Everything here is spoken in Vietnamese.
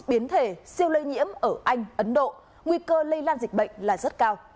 biến thể siêu lây nhiễm ở anh ấn độ nguy cơ lây lan dịch bệnh là rất cao